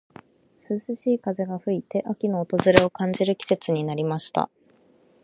涼しい風が吹いて、秋の訪れを感じる季節になりました。